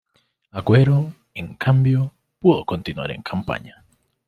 Agüero, en cambio, pudo continuar en campaña.